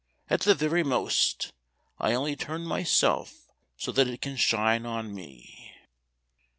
At the very most, I only turn myself so that it can shine on me."